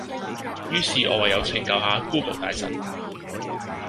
於是我唯有請教下 Google 大神